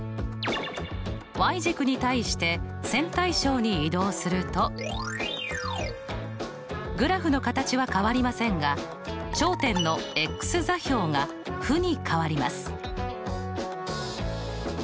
軸に対して線対称に移動するとグラフの形は変わりませんが頂点の座標が負に変わります。